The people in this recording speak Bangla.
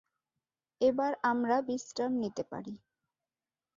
এবার আমরা বিশ্রাম নিতে পারি।